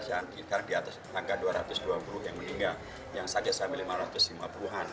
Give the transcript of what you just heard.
sekitar di atas angka dua ratus dua puluh yang meninggal yang saja sampai lima ratus lima puluh an